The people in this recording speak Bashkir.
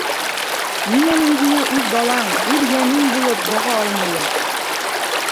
Ниңә мин һиңә үҙ балаң, үҙ йәнең булып баға алмайым?